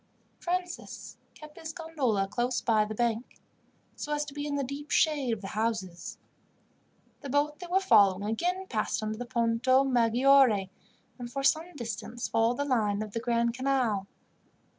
Francis kept his gondola close by the bank, so as to be in the deep shade of the houses. The boat they were following again passed under the Ponto Maggiore, and for some distance followed the line of the Grand Canal.